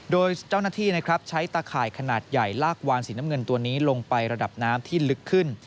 โดยเจ้าหน้าที่ใช้ตาข่ายขนาดใหญ่ลากวานสีน้ำเงินตัวนี้ลงไประดับน้ำที่ลึกขึ้น